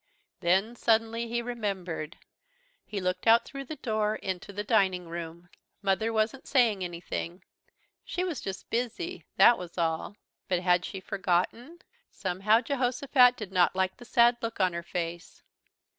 Then suddenly he remembered. He looked out through the door into the dining room. Mother wasn't saying anything. She was just busy. That was all. But had she forgotten? Somehow Jehosophat did not like the sad look on her face.